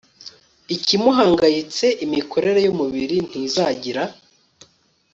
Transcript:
ikimuhangayitse imikorere yumubiri ntizagira